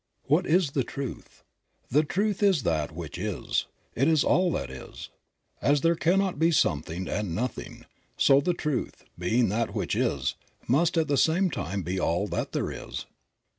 What is the Truth? The Truth is that which is. It is all that is. As there cannot be something and nothing, so the Truth, being that which is, must at the same time be all that there is.